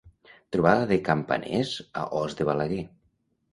Trobada de Campaners a Os de Balaguer.